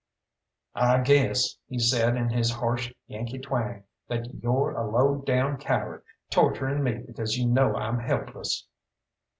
"I guess," he said in his harsh Yankee twang, "that you're a low down coward torturing me because you know I'm helpless."